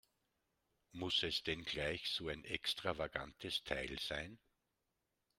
Muss es denn gleich so ein extravagantes Teil sein?